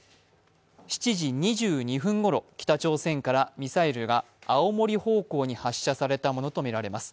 ７時２２分ごろ、北朝鮮からミサイルが青森方向に発射されたものとみられます。